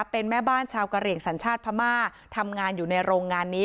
เป็นแม่บ้านชาวกะเหลี่ยงสัญชาติพม่าทำงานอยู่ในโรงงานนี้